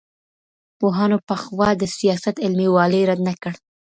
پوهانو پخوا د سیاست علمي والی رد نه کړ.